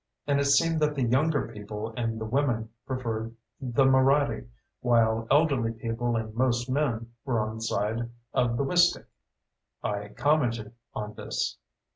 And it seemed that the younger people and the women preferred the Moraddy, while elderly people and most men were on the side of the Wistick. I commented on this.